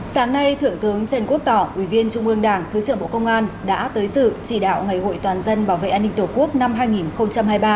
sáng nay thượng tướng trần quốc tỏ ủy viên trung ương đảng thứ trưởng bộ công an đã tới sự chỉ đạo ngày hội toàn dân bảo vệ an ninh tổ quốc năm hai nghìn hai mươi ba